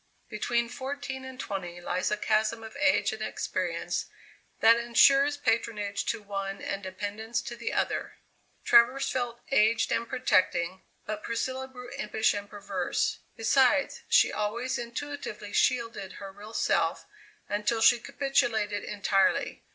Between fourteen and twenty lies a chasm of age and experience that ensures patronage to one and dependence to the other. Travers felt aged and protecting, but Priscilla grew impish and perverse; besides, she always intuitively shielded her real self until she capitulated entirely.